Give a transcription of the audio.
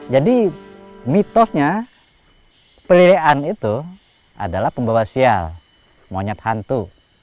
jadi mitosnya pelileian itu adalah pembawa sial monyet hantu